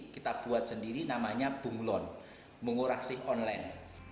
kita buat sendiri namanya bunglon bungur asih online